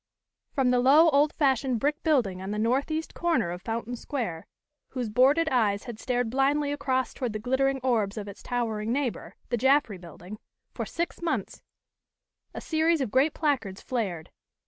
From the low, old fashioned brick building on the northeast corner of Fountain Square, whose boarded eyes had stared blindly across toward the glittering orbs of its towering neighbor, the Jaffry Building, for six months, a series of great placards flared.